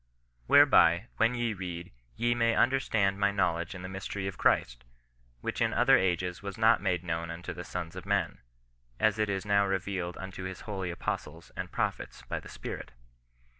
Whereby, when ye read, ye may understand my know ledge in the mystery of Christ, which in other ages was not made known unto the sons of men, as it is now re vealed unto his holy apostles and prophets by the Spirit."